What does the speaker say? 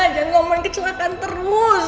jangan ngomong kecelakaan terus